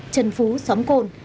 trần phú xóm cồn